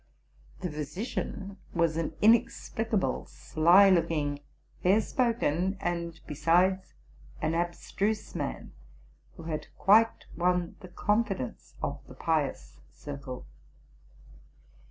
'The physician was an inexplicable, sly looking, fair spoken, and, besides, an abstruse, man, who had quite won the confidence of the pious circle.